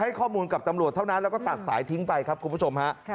ข้อมูลกับตำรวจเท่านั้นแล้วก็ตัดสายทิ้งไปครับคุณผู้ชมฮะ